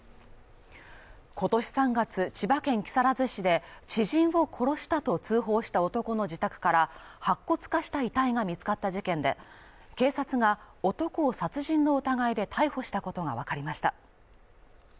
今年３月、千葉県木更津市で、知人を殺したと通報した男の自宅から白骨化した遺体が見つかった事件で、警察が男を殺人の疑いで逮捕したことがわかりました。